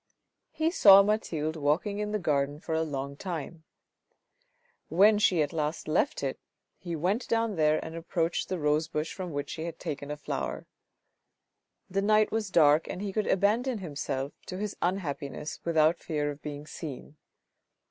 He saw Mathilde walking in the garden for a long time. When she at last left it, he went down there and approached the rose bush from which she had taken a flower. The night was dark and he could abandon himself to his unhappiness without fear of being seen.